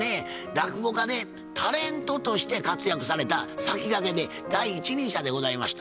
落語家でタレントとして活躍された先駆けで第一人者でございました。